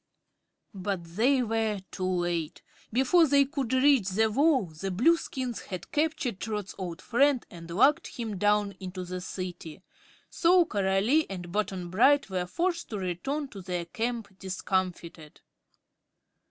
But they were too late. Before they could reach the wall the Blueskins had captured Trot's old friend and lugged him down into the City, so Coralie and Button Bright were forced to return to their camp discomfited.